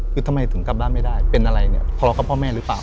คือทำไมถึงกลับบ้านไม่ได้เป็นอะไรเนี่ยทะเลาะกับพ่อแม่หรือเปล่า